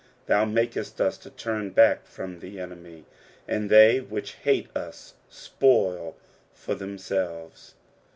10 Thou makest us to turn back from the enemy : and they which hate us spoil for themselves.